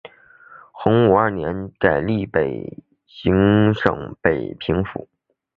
洪武二年改隶北平行省北平府。